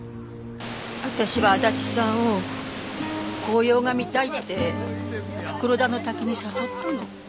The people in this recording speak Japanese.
私は足立さんを紅葉が見たいって袋田の滝に誘ったの。